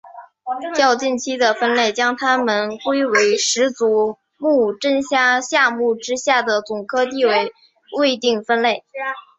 较近期的分类将它们归为十足目真虾下目之下的总科地位未定分类。